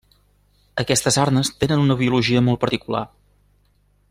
Aquestes arnes tenen una biologia molt particular.